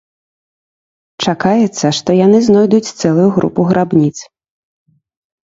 Чакаецца, што яны знойдуць цэлую групу грабніц.